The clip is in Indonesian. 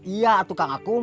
iya tuh kang akum